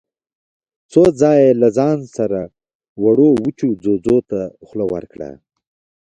څو ځايه يې له ځان سره وړو وچو ځوځو ته خوله ورکړه.